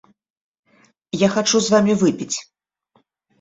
Я хачу з вамі выпіць.